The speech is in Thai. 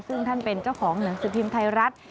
ซึ่งท่านเป็นเจ้าของหนังสือพิมพ์ไทยรัฐ